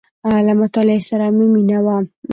• له مطالعې سره مې مینه وه.